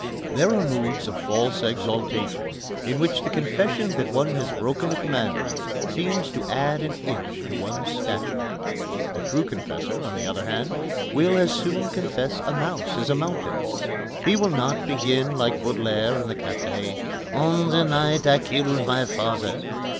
There are moods of false exaltation in which the confession that one has broken a commandment seems to add an inch to one's stature. The true confessor, on the other hand, will as soon confess a mouse as a mountain. He will not begin, like Baudelaire in the café: "On the night I killed my father...."